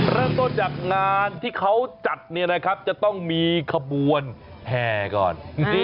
เริ่มต้นจากงานที่เขาจัดเนี่ยนะครับจะต้องมีขบวนแห่ก่อน